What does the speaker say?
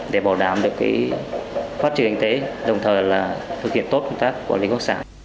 để bảo đảm được phát triển kinh tế đồng thời là thực hiện tốt công tác quản lý gốc sản